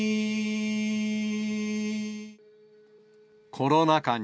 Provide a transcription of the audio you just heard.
コロナ禍に。